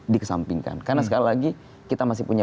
dikesampingkan karena sekali lagi kita masih punya